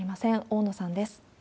大野さんです。